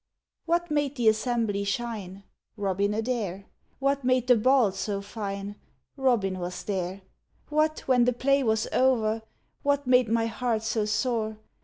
What made the assembly shine? Robin Adair: What made the ball so fine? Robin was there: What, when the play was o'er, What made my heart so sore?